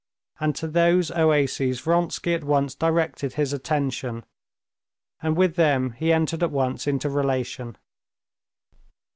And to those oases Vronsky at once directed his attention, and with them he entered at once into relation.